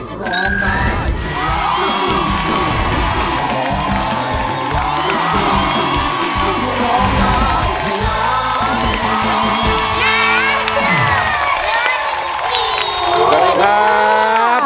สวัสดีครับ